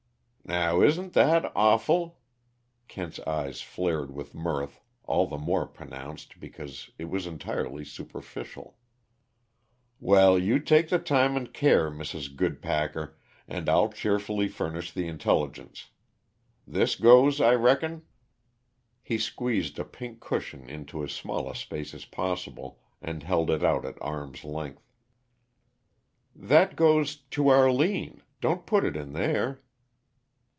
"Now isn't that awful?" Kent's eyes flared with mirth, all the more pronounced because it was entirely superficial. "Well, you take the time and care, Mrs. Goodpacker, and I'll cheerfully furnish the intelligence, This goes, I reckon?" He squeezed a pink cushion into as small a space as possible, and held it out at arm's length. "That goes to Arline. Don't put it in there!"